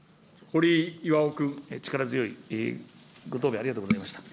力強いご答弁、ありがとうございました。